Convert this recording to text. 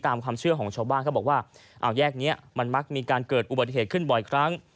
ตามความเชื่อของชาวบ้านเขาบอกว่าเอาแยกนี้มันมักมีการเกิดอุบัติเหตุขึ้นบ่อยครั้ง